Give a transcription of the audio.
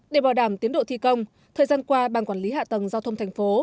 để bảo đảm tiến độ thi công thời gian qua ban quản lý hạ tầng giao thông thành phố